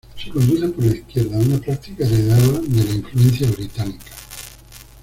Se conduce por la izquierda, una práctica heredada de la influencia británica.